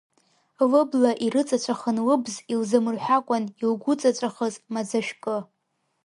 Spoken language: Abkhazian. Лыбла ирыҵаҵәахын лыбз илзамырҳәакәан илгәыҵаҵәахыз маӡа шәкы.